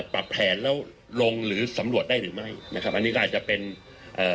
ปรับแผนแล้วลงหรือสำรวจได้หรือไม่นะครับอันนี้ก็อาจจะเป็นเอ่อ